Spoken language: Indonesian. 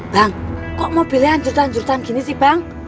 bang kok mobilnya anjur anjur gini sih bang